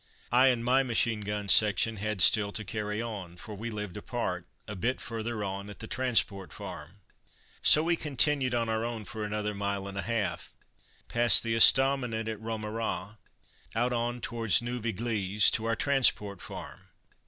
I and my machine gun section had still to carry on, for we lived apart, a bit further on, at the Transport Farm. So we continued on our own for another mile and a half, past the estaminet at Romerin, out on towards Neuve Eglise to our Transport Farm.